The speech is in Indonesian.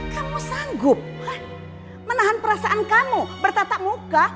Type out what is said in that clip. kamu sanggup menahan perasaan kamu bertatap muka